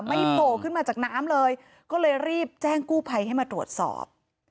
โผล่ขึ้นมาจากน้ำเลยก็เลยรีบแจ้งกู้ภัยให้มาตรวจสอบ